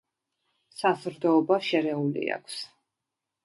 საზრდოობა შერეული აქვს.